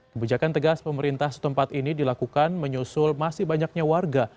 kebijakan tegas pemerintah setempat ini dilakukan menyusul masih banyaknya warga